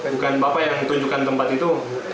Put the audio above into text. bukan bapak yang tunjukkan tempat itu